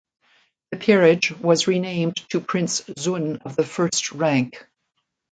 The peerage was renamed to Prince Xun of the First Rank.